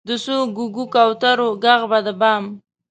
د څو ګوګو، کوترو ږغ به د بام،